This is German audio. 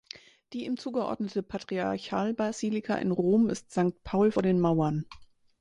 Die ihm zugeordnete Patriarchalbasilika in Rom ist Sankt Paul vor den Mauern.